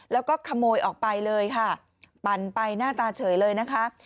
แล้วก็ขโมยออกไปเลยค่ะปั่นไปหน้าตาเฉยเลยนะคะ